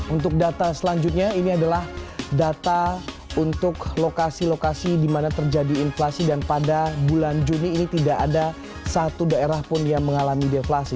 untuk data selanjutnya ini adalah data untuk lokasi lokasi di mana terjadi inflasi dan pada bulan juni ini tidak ada satu daerah pun yang mengalami deflasi